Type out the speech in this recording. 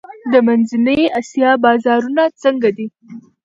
د منځنۍ اسیا بازارونه څنګه دي؟